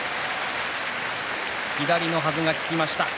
左のはずが効きました